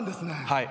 はい。